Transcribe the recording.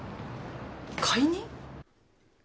解任？